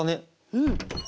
うん。